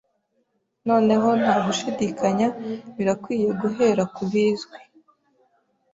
Noneho ntagushidikanya birakwiye guhera kubizwi